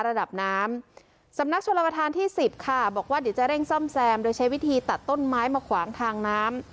ระดับน้ำสำนักชนประธานที่สิบค่ะบอกว่าเดี๋ยวจะเร่งซ่อมแซมโดยใช้วิธีตัดต้นไม้มาขวางทางน้ำ